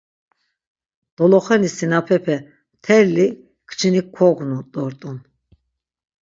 Doloxeni sinapape mtelli kçinik kognu dort̆un.